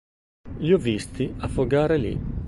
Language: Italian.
Li ho visti affogare lì.